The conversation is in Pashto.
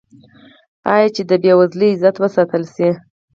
آیا چې د بې وزله عزت وساتل شي؟